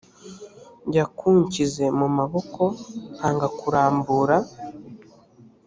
yakunshyize mu maboko nkanga kurambura